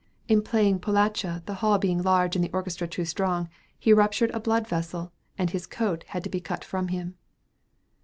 In playing "Polacca," the hall being large and the orchestra too strong, he ruptured a blood vessel, and his coat had to be cut from him.